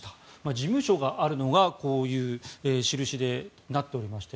事務所があるのがこういう印になっておりまして